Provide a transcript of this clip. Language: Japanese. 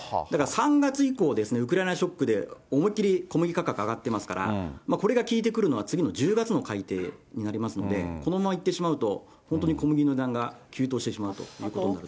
だから３月以降ですね、ウクライナショックで思いっ切り小麦価格上がってますから、これが効いてくるのは、次の１０月の改定になりますので、このままいってしまうと、本当に小麦の値段が急騰してしまうということ